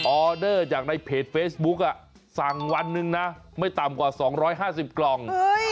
ออเดอร์จากในเพจเฟซบุ๊กสั่งวันหนึ่งนะไม่ต่ำกว่า๒๕๐กล่อง